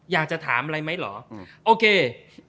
อยากจะถามอะไรไหมเหรอโอเค